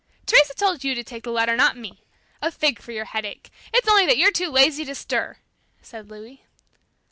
"Teresa told you to take the letter, not me. A fig for your headache! It's only that you're too lazy to stir!" said Louis.